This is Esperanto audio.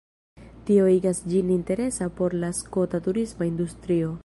Tio igas ĝin interesa por la skota turisma industrio.